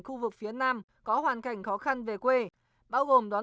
khu vực phía nam có hoàn cảnh khó khăn về quê bao gồm đoàn